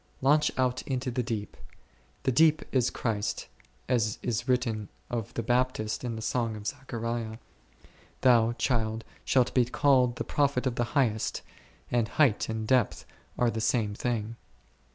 Launch out into the deep; the deep is Christ, as is written of the Baptist in the Song of Zechariah, Thou, child, shalt be called the prophet of the Highest, and height and depth are the same things.